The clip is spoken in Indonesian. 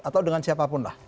atau dengan siapapun lah